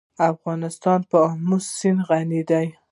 افغانستان په آمو سیند غني دی.